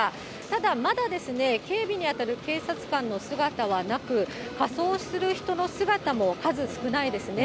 ただ、まだですね、警備に当たる警察官の姿はなく、仮装する人の姿も数少ないですね。